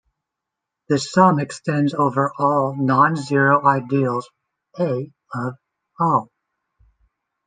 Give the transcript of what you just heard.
The sum extends over all non-zero ideals "a" of O.